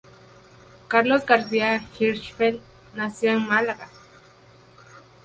Carlos García-Hirschfeld, nació en Málaga.